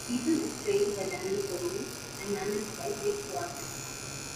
Betham is trained by Danny Codling and managed by Mick Watson.